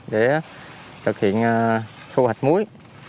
để thực hiện thu hoạch muối